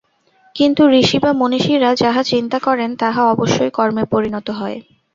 কিন্তু ঋষি বা মনীষীরা যাহা চিন্তা করেন, তাহা অবশ্যই কর্মে পরিণত হয়।